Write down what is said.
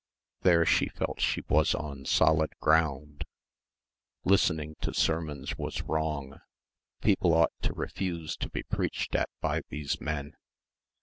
There she felt she was on solid ground. Listening to sermons was wrong ... people ought to refuse to be preached at by these men.